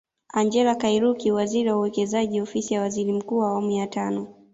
Angellah Kairuki waziri wa Uwekezaji Ofisi ya Waziri mkuu awamu ya tano